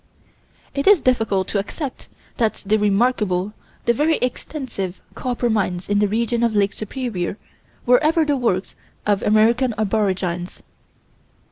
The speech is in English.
It is difficult to accept that the remarkable, the very extensive, copper mines in the region of Lake Superior were ever the works of American aborigines.